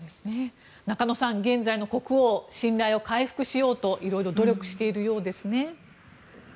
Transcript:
中野さん、現在の国王信頼を回復しようといろいろ努力しているようですね。